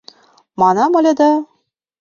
— Манам ыле да...